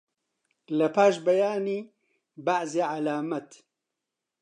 لەپاش بەیانی بەعزێ عەلامەت